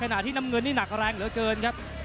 ขณะที่น้ำเงินนี่หนักแรงเหลือเกินครับ